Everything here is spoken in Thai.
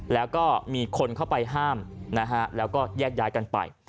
แล้วก็มีคนเข้าไปห้ามนะฮะแล้วก็แยกย้ายกันไป